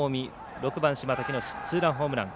６番、島瀧のツーランホームラン。